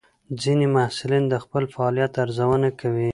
ځینې محصلین د خپل فعالیت ارزونه کوي.